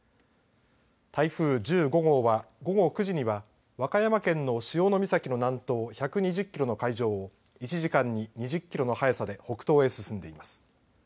台風１５号は、午後９時には和歌山県の潮岬の南東１２０キロの海上を１時間に２０キロの速さで北東へ進んでいます。